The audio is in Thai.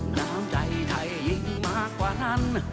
น้ำใจไทยยิ่งมากกว่านั้น